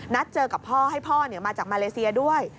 เจอกับพ่อให้พ่อมาจากมาเลเซียด้วย